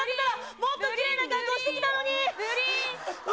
もっときれいなかっこしてきたのに。